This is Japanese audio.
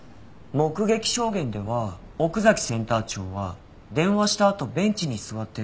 目撃証言では奥崎センター長は電話したあとベンチに座って燃えたんですよね？